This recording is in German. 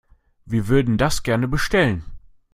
Wir würden das gerne bestellen.